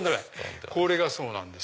これがそうなんです。